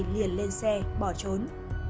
liền lên xe bỏ trốn